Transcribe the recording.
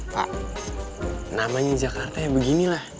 pak namanya jakarta ya beginilah